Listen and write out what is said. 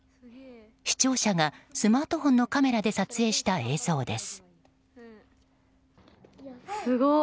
視聴者がスマートフォンのカメラで撮影した映像です。